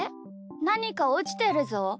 なにかおちてるぞ。